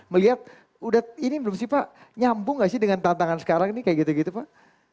melihat udah ini belum sih pak nyambung gak sih dengan tantangan sekarang nih kayak gitu gitu pak